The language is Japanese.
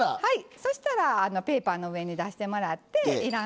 そしたらペーパーの上に出してもらっていらん